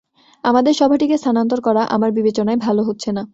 আমাদের সভাটিকে স্থানান্তর করা আমার বিবেচনায় ভালো হচ্ছে না।